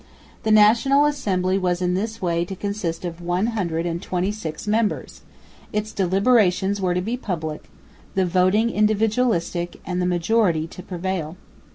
The National Assembly was in this way to consist of one hundred and twenty six members; its deliberations were to be public, the voting individualistic and the majority to prevail.